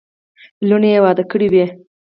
لوڼي یې واده کړې وې.